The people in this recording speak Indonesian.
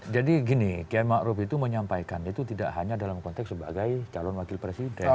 jadi gini qiyai ma'ruf itu menyampaikan itu tidak hanya dalam konteks sebagai calon wakil presiden